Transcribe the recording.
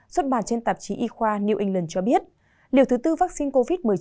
xuất bàn trên tạp chí y khoa new england cho biết liều thứ bốn vaccine covid một mươi chín